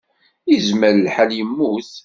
Yezmer lḥal yemmut.